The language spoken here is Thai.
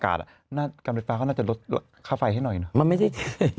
การรุดฟาร์เวลาน่าจะลดค่าไฟให้หน่อยหนึ่ง